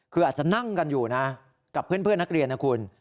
คืออาจจะนั่งกันอยู่นะกับเพื่อนนักเรียนนะคุณ